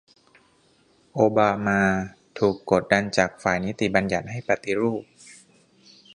โอบามาถูกกดดันจากฝ่ายนิติบัญญัติให้ปฏิรูป